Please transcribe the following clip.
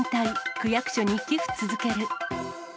区役所に寄付続ける。